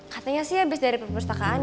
katanya sih habis dari perpustakaan